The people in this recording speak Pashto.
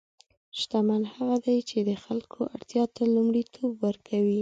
شتمن هغه دی چې د خلکو اړتیا ته لومړیتوب ورکوي.